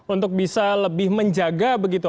untuk bisa lebih menjaga begitu